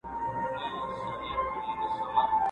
دا قضاوت یې په سپېڅلي زړه منلای نه سو؛